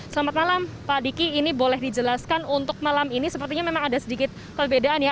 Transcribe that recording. selamat malam pak diki ini boleh dijelaskan untuk malam ini sepertinya memang ada sedikit perbedaan ya